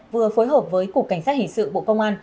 vừa phối hợp với cục cảnh sát hình sự bộ công an